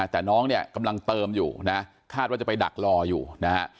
แต่น้องเนี่ยกำลังเติมอยู่นะคาดว่าจะไปดักรออยู่นะฮะ